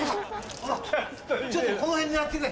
ちょっとこの辺狙ってくれ。